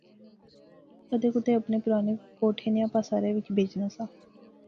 او کدے کُتے اپنے پرانے کوٹھے نیاں پاساریا وچ بہجنا سا